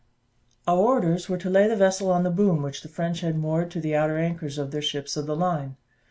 Our orders were to lay the vessel on the boom which the French had moored to the outer anchors of their ships of the line.